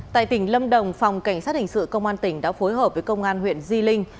tại tỉnh lâm đồng phòng cảnh sát hình sự công an tỉnh đã phối hợp với công an huyện di linh